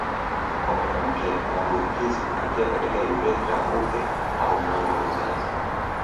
Kwa wanawake maambukizi hutokea katika urethra uke au mlango wa uzazi